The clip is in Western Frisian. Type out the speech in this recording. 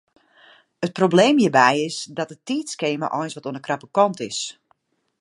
It probleem hjirby is dat it tiidskema eins wat oan de krappe kant is.